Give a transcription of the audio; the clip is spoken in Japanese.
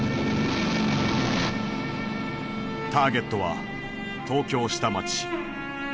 ターゲットは東京下町。